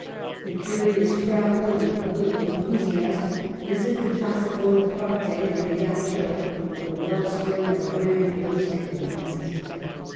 The curious traveller and the political enthusiast visit the Casa Bonaparte, in Ajaccio, the well spring of a grand realistic romance.